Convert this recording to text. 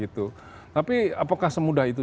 tapi apakah semudah itu